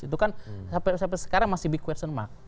itu kan sampai sekarang masih big question mak